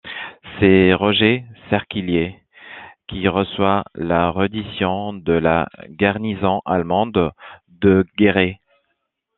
C'est Roger Cerclier qui reçoit la reddition de la garnison allemande de Guéret.